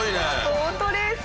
ボートレース。